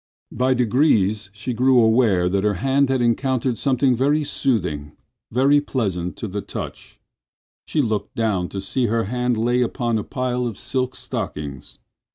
By degrees she grew aware that her hand had encountered something very soothing, very pleasant to touch. She looked down to see that her hand lay upon a pile of silk stockings.